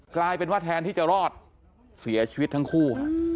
กลายเป็นว่าแทนที่จะรอดเสียชีวิตทั้งคู่